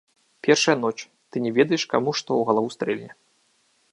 Першая ноч, ты не ведаеш, каму што ў галаву стрэльне.